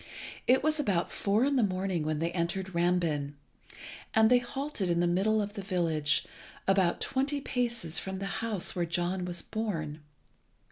It was about four in the morning when they entered Rambin, and they halted in the middle of the village, about twenty paces from the house where John was born.